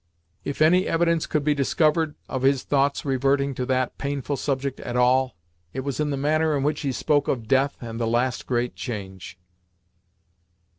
If any evidence could be discovered of his thought's reverting to that painful subject at all, it was in the manner in which he spoke of death and the last great change.